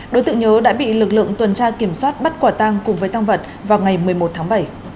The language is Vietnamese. đối tượng nhớ đã bị lực lượng tuần tra kiểm soát bắt quả tăng cùng với tăng vật vào ngày một mươi một tháng bảy